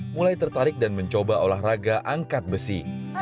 mulai tertarik dan mencoba olahraga angkat besi